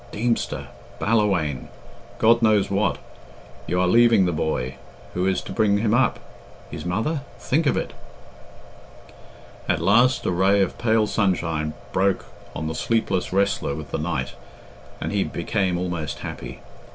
Deemster! Ballawhaine! God knows what! You are leaving the boy; who is to bring him up? His mother? Think of it!" At last a ray of pale sunshine broke on the sleepless wrestler with the night, and he became almost happy.